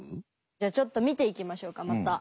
ちょっと見ていきましょうかまた。